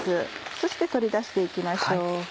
そして取り出していきましょう。